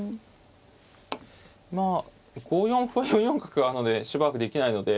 まあ５四歩は４四角があるのでしばらくできないので。